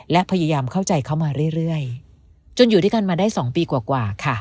และพยายามเข้าใจเขามาเรื่อยจนอยู่ด้วยกันมาได้๒ปีกว่าค่ะ